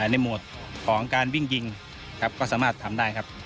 ในโหมดของการวิ่งยิงครับก็สามารถทำได้ครับ